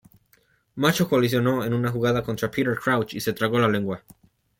Macho colisionó en una jugada contra Peter Crouch y se tragó la lengua.